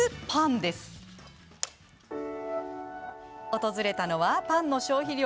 訪れたのはパンの消費量